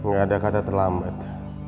gak ada kata terlambat